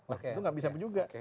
itu enggak bisa juga